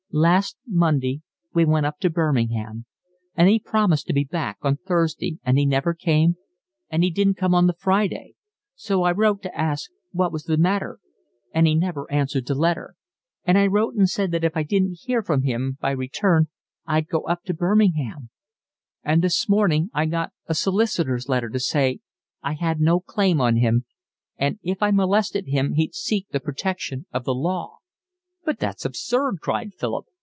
"Last Monday week he went up to Birmingham, and he promised to be back on Thursday, and he never came, and he didn't come on the Friday, so I wrote to ask what was the matter, and he never answered the letter. And I wrote and said that if I didn't hear from him by return I'd go up to Birmingham, and this morning I got a solicitor's letter to say I had no claim on him, and if I molested him he'd seek the protection of the law." "But it's absurd," cried Philip.